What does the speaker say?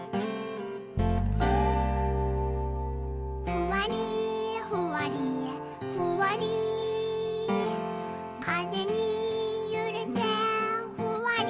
「ふわりふわりふわりかぜにゆれてふわり」